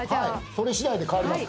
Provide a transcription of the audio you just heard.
それしだいで変わります。